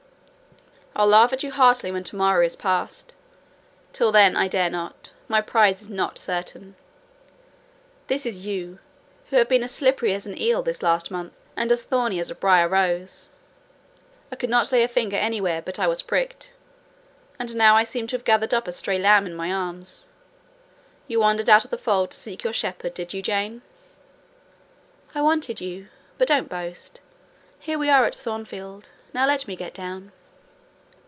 "I'll laugh at you heartily when to morrow is past; till then I dare not: my prize is not certain. This is you, who have been as slippery as an eel this last month, and as thorny as a briar rose? I could not lay a finger anywhere but I was pricked; and now I seem to have gathered up a stray lamb in my arms. You wandered out of the fold to seek your shepherd, did you, Jane?" "I wanted you: but don't boast. Here we are at Thornfield: now let me get down."